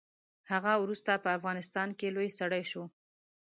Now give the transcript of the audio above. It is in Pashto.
هغه وروسته په افغانستان کې لوی سړی شو.